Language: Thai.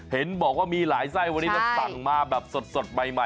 เห็นบอกว่ามีหลายไส้วันนี้เราสั่งมาแบบสดใหม่